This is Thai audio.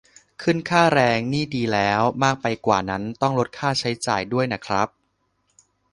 ขึ้นค่าแรงนี่ดีแล้ว มากไปกว่านั้นต้องลดค่าใช้จ่ายด้วยน่ะครับ